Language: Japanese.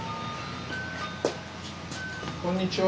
こんにちは。